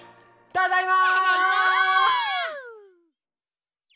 ただいま！